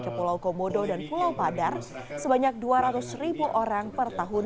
ke pulau komodo dan pulau padar sebanyak rp dua ratus